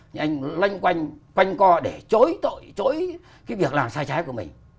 nhưng anh loanh quanh co để chối tội chối cái việc làm sai trái của mình